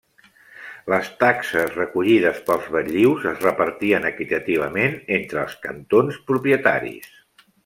Les taxes recollides pels batllius es repartien equitativament entre els cantons propietaris.